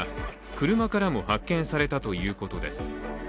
車からも発見されたということです。